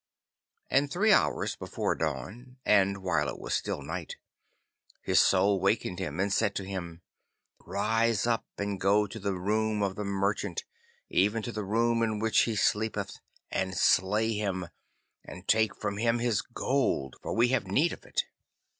And three hours before dawn, and while it was still night, his Soul waked him and said to him, 'Rise up and go to the room of the merchant, even to the room in which he sleepeth, and slay him, and take from him his gold, for we have need of it.